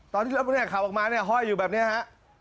ตอนที่รถเนี่ยขับออกมาเนี่ยห้อยอยู่แบบนี้ฮะ